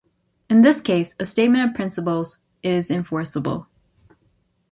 In this case, a statement of principles is enforceable.